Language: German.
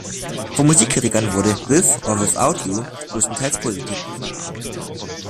Von Musikkritikern wurde "With or Without You" größtenteils positiv aufgenommen.